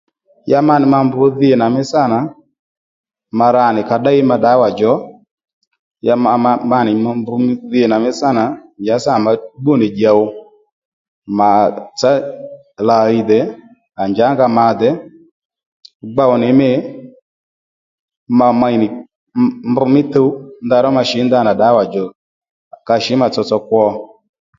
Ya ma nì ma mbr dhi nà mí sâ nà ma ra nì ka ddéy ma ddawa djò ya mma ma nì ma mbr dhi nà mí sânà njàddí sâ nà ma bbú nì dyòw màtsá layi dè à njǎ nga ma dè gbow nì mî ma mey nì mbr mí tuw ndeyró ma shǐ ndanà ddawà djò ka shǐ ma tsotso kwo